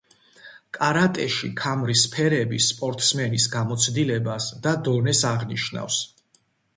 კარატეში ქამრის ფერები სპორტსმენის გამოცდილებასა და დონეს აღნიშნავს.